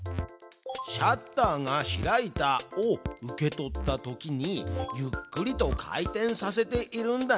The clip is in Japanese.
「シャッターが開いた」を受け取ったときにゆっくりと回転させているんだね。